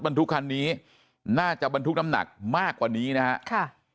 บรรทุกคันนี้น่าจะบรรทุกน้ำหนักมากกว่านี้นะฮะค่ะ